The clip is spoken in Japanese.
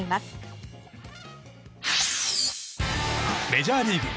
メジャーリーグ。